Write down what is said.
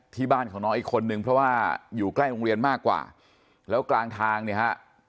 ที่บ้านของน้องอีกคนนึงเพราะว่าอยู่ใกล้โรงเรียนมากกว่าแล้วกลางทางเนี่ยฮะ